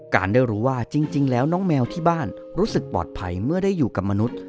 การได้รู้ว่าจริงแล้วน้องแมวที่บ้านรู้สึกปลอดภัยเมื่อได้อยู่กับมนุษย์